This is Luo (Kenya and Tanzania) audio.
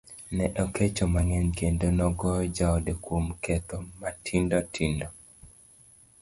ne okecho mang'eny kendo nogoyo jaode kuom ketho matindo tindo